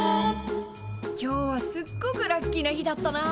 今日はすっごくラッキーな日だったな。